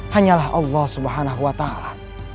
hanyalah allah subhanahu wa ta'ala